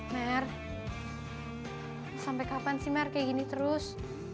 mer sampai kapan sih mer kayak gini terus